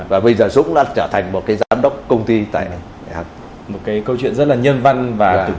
và bây giờ dũng đã trở thành một cái giám đốc công ty tại đây một cái câu chuyện rất là nhân văn và